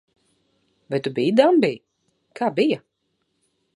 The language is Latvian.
Vai tu biji dambī? Kā bija?